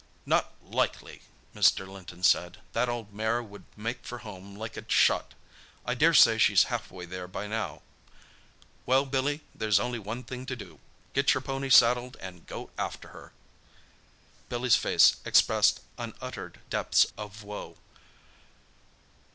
"Not likely," Mr. Linton said; "that old mare would make for home like a shot. I dare say she's half way there by now. Well, Billy, there's only one thing to do—get your pony saddled and go after her." Billy's face expressed unuttered depths of woe.